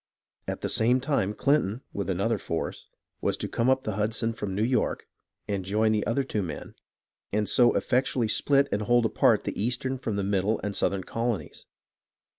At the same time Clinton with another force was to come up the Hudson from New York and join the other two men and so effectually split and hold apart the eastern from the middle and southern colonies.